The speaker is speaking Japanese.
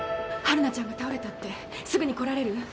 晴汝ちゃんが倒れたってすぐに来られる？